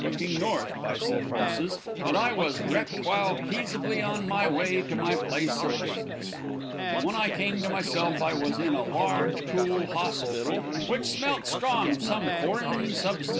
looking north by sed horses and I was wrecked while peasably on my way to my place of business. When I come to myself I was in a large, cool hosspital which smelt strong of some forrin substans.